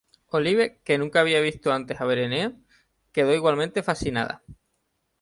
Olive, que nunca antes había visto a Verena, queda igualmente fascinada.